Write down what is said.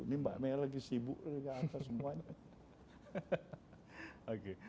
ini mbak mega lagi sibuk ke atas semuanya